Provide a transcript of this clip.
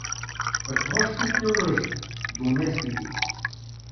— Какво ще те лъжа, донесли ги.